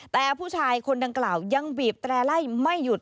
แต่ผู้ชายคนดังกล่าวยังบีบแตร่ไล่ไม่หยุด